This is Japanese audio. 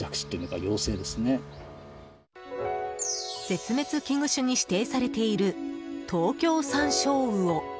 絶滅危惧種に指定されているトウキョウサンショウウオ。